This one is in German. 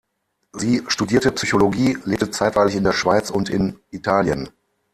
Sie studierte Psychologie, lebte zeitweilig in der Schweiz und in Italien.